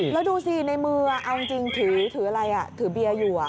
แล้วดูสิในมือเอาจริงถืออะไรถือเบียร์อยู่